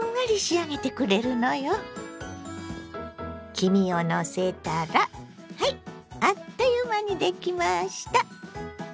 黄身をのせたらはいあっという間にできました！